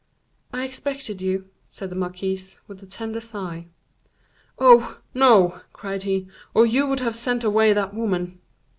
"I expected you," said the marquise, with a tender sigh. "Oh! no," cried he, "or you would have sent away that woman."